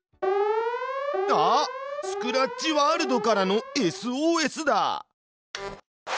あっスクラッチワールドからのＳＯＳだ！